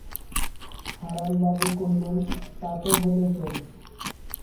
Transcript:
হারানবাবু কহিলেন, তা তো বলেছ।